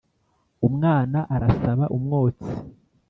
umwana arasaba umwotsi